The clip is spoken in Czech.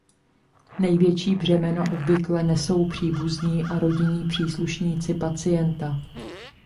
Největší břemeno obvykle nesou příbuzní a rodinní příslušníci pacienta.